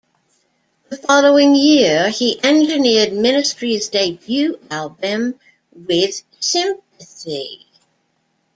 The following year, he engineered Ministry's debut album, "With Sympathy".